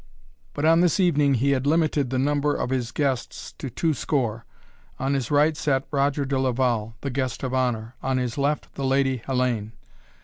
But on this evening he had limited the number of his guests to two score. On his right sat Roger de Laval, the guest of honor, on his left the Lady Hellayne.